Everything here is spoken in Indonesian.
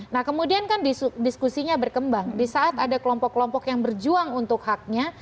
nah kemudian kan diskusinya berkembang di saat ada kelompok kelompok yang berjuang untuk haknya